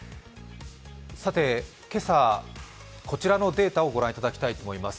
さて、こちらのデータをご覧いただきたいと思います。